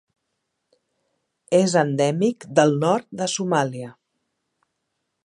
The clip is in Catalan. És endèmic del nord de Somàlia.